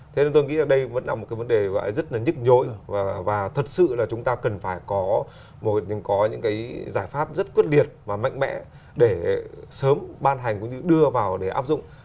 thế nên tôi nghĩ là đây vẫn là một cái vấn đề rất là nhức nhối và thật sự là chúng ta cần phải có những cái giải pháp rất quyết liệt và mạnh mẽ để sớm ban hành cũng như đưa vào để áp dụng